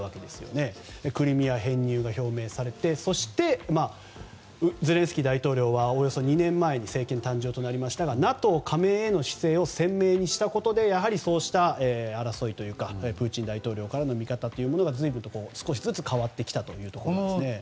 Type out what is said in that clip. クリミア編入が表明されてそして、ゼレンスキー大統領はおよそ２年前に政権誕生となりましたがＮＡＴＯ加盟への姿勢を鮮明にしたことでそうした争いというかプーチン大統領からの見方というものが少しずつ変わってきたところですね。